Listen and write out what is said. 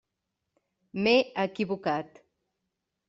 M'he equivocat.